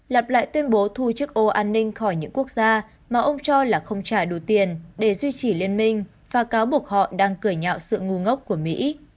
lặp lại tuyên bố thu chiếc ô an ninh khỏi những quốc gia mà ông cho là không trả đủ tiền để duy trì liên minh và cáo buộc họ đang cười nhạo sự ngu ngốc của mỹ